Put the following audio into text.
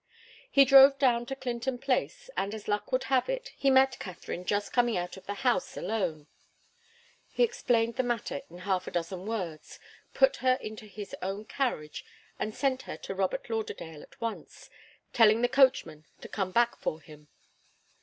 He drove down to Clinton Place, and, as luck would have it, he met Katharine just coming out of the house alone. He explained the matter in half a dozen words, put her into his own carriage and sent her to Robert Lauderdale at once, telling the coachman to come back for him.